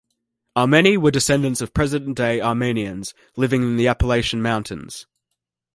"Ahrmenee" were descendants of present-day Armenians living in the Appalachian Mountains.